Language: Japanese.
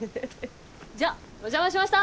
じゃお邪魔しました。